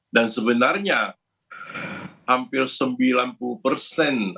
dan sebenarnya hampir sembilan puluh pemakai kendaraan listrik melakukan charging di rumah